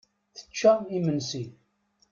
Tečča imensi.